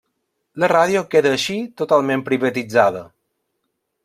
La ràdio queda així totalment privatitzada.